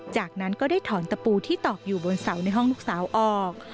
จากนั้นก็ได้ถอนตะปูที่ตอกอยู่บนเสาในห้องลูกสาวออก